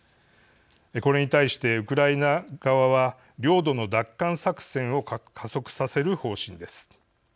これに対して、ウクライナ側は領土の奪還作戦を加速させる方針です。